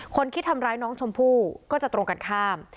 คนที่ทำร้ายน้องชมพู่ก็จะตรงกันข้าม